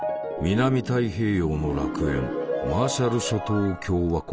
南太平洋の楽園マーシャル諸島共和国。